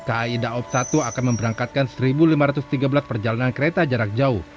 kai daob satu akan memberangkatkan satu lima ratus tiga belas perjalanan kereta jarak jauh